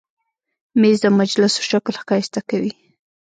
مېز د مجلسو شکل ښایسته کوي.